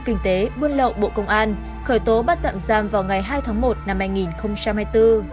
kinh tế buôn lậu bộ công an khởi tố bắt tạm giam vào ngày hai tháng một năm hai nghìn hai mươi bốn